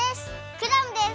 クラムです！